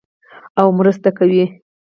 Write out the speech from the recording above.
او مرسته کوي.